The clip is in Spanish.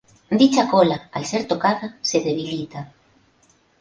Dicha cola al ser tocada se debilita.